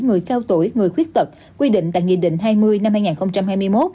người cao tuổi người khuyết tật quy định tại nghị định hai mươi năm hai nghìn hai mươi một